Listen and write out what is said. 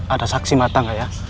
ada saksi mata nggak ya